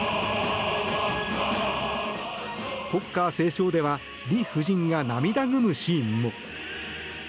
国歌斉唱では李夫人が涙ぐむシーンも。